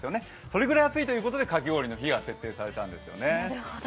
それぐらい暑いということで、かき氷の日が設定されたんですね。